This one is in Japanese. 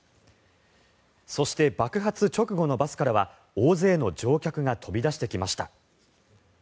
そして、爆発直後のバスからは大勢の乗客が飛び出してきました。